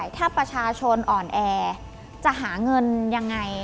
ถ้าประชาชนอ่อนแอจะหาเงินยังไง